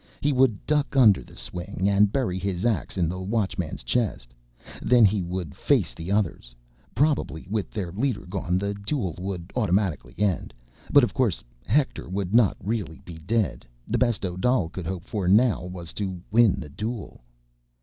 He would duck under the swing and bury his ax in the Watchman's chest. Then he would face the others. Probably with their leader gone, the duel would automatically end. But, of course, Hector would not really be dead; the best Odal could hope for now was to win the duel.